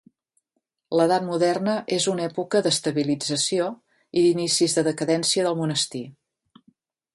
L'Edat Moderna és una època d'estabilització i d'inicis de decadència del monestir.